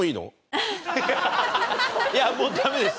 いやもうダメです。